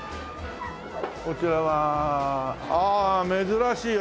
こちらはああ珍しい。